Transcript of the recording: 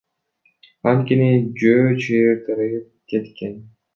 Анткени жөө чыйыр тарайып кеткен.